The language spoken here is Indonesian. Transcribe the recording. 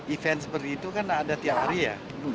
event seperti itu kan ada tiap hari ya